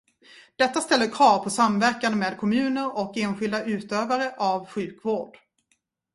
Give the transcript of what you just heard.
Detta ställer krav på samverkan med kommuner och enskilda utförare av sjukvård.